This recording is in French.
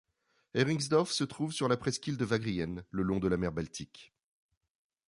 Heringsdorf se trouve sur la presqu'île de Wagrien, le long de la mer Baltique.